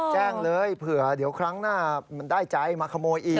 แจ้งเลยเผื่อเดี๋ยวครั้งหน้ามันได้ใจมาขโมยอีก